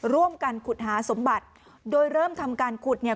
ร่วมกันขุดหาสมบัติโดยเริ่มทำการขุดเนี่ย